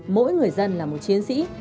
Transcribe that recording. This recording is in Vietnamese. mỗi người dân là một chiến sĩ